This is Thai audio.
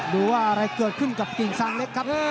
ดูว่าอะไรเกิดขึ้นกับกิ่งซางเล็กครับ